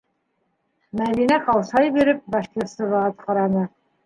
- Мәҙинә ҡаушай биреп Башкирцеваға ҡараны.